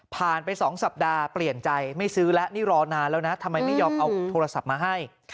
ไป๒สัปดาห์เปลี่ยนใจไม่ซื้อแล้วนี่รอนานแล้วนะทำไมไม่ยอมเอาโทรศัพท์มาให้